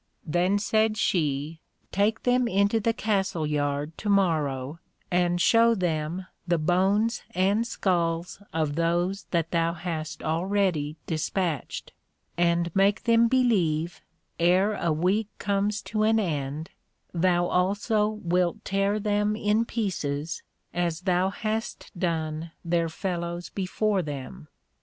Then said she, Take them into the Castle yard to morrow, and shew them the Bones and Skulls of those that thou hast already dispatch'd, and make them believe, e'er a week comes to an end, thou also wilt tear them in pieces, as thou hast done their fellows before them.